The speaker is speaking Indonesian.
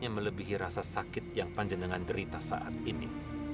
yang melebihi rasa sakit yang panjendengan derita saat ini